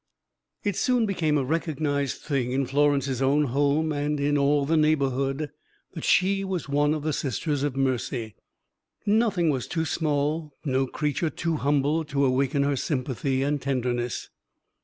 It soon became a recognized thing in Florence's own home and in all the neighborhood, that she was one of the Sisters of Mercy. Nothing was too small, no creature too humble to awaken her sympathy and tenderness.